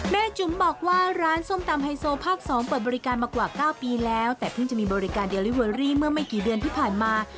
จุ๋มบอกว่าร้านส้มตำไฮโซภาค๒เปิดบริการมากว่า๙ปีแล้วแต่เพิ่งจะมีบริการเดลิเวอรี่เมื่อไม่กี่เดือนที่ผ่านมา